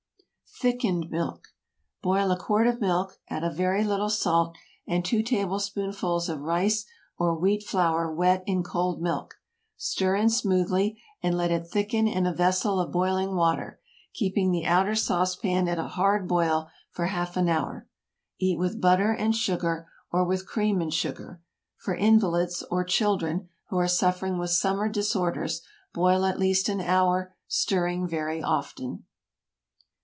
THICKENED MILK. Boil a quart of milk, add a very little salt, and two tablespoonfuls of rice or wheat flour wet in cold milk. Stir in smoothly, and let it thicken in a vessel of boiling water, keeping the outer saucepan at a hard boil for half an hour. Eat with butter and sugar, or with cream and sugar. For invalids, or children who are suffering with summer disorders, boil at least an hour, stirring very often.